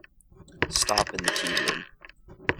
Stop in the tea-room.